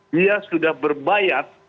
dia sudah berbayar